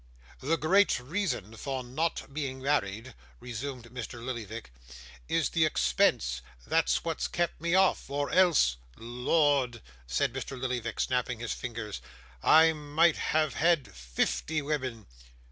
'The great reason for not being married,' resumed Mr. Lillyvick, 'is the expense; that's what's kept me off, or else Lord!' said Mr. Lillyvick, snapping his fingers, 'I might have had fifty women.